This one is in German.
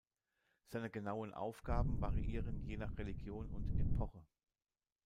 Seine genauen Aufgaben variieren je nach Religion und Epoche.